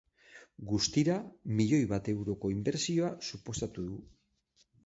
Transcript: Guztira, milioi bat euroko inbertsioa suposatu du.